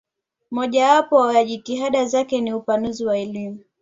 Mojawapo ya jitihada zake ni upanuzi wa elimu